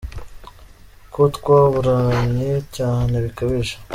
Kotwaburanye cyane bikabije?